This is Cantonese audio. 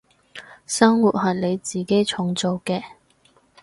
生活係你自己創造嘅